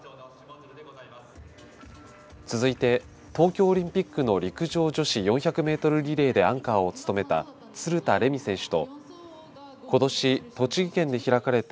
続いて東京オリンピックの陸上女子４００メートルリレーでアンカーを務めた鶴田玲美選手とことし栃木県で開かれた